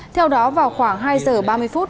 theo đó vào khoảng hai h ba mươi phút